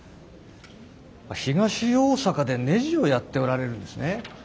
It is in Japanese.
東大阪でねじをやっておられるんですね。